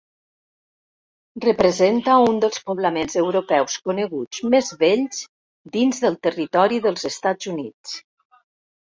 Representa un dels poblaments europeus coneguts més vells dins del territori dels Estats Units.